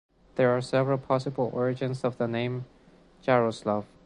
There are several possible origins of the name Jaroslav.